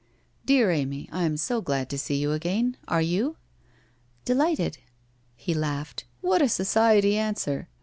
' Dear Amy, I am so glad to see you again. Are you ?'' Delighted/ He laughed. ' What a society answer